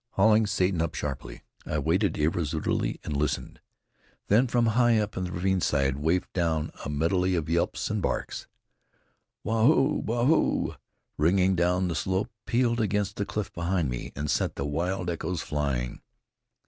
Hauling Satan up sharply, I waited irresolutely and listened. Then from high up the ravine side wafted down a medley of yelps and barks. "Waa hoo, waa hoo!" ringing down the slope, pealed against the cliff behind me, and sent the wild echoes flying.